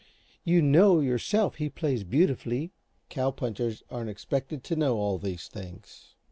You know yourself, he plays beautifully." "Cow punchers aren't expected to know all these things."